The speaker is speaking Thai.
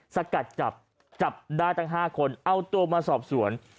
สกัดจับจับได้ตั้ง๕คนเอาตัวมาสอบสวน